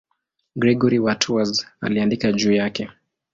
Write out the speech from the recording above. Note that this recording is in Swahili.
Gregori wa Tours aliandika juu yake.